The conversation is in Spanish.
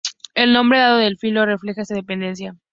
El nombre dado al filo refleja esta dependencia.